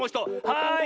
はい！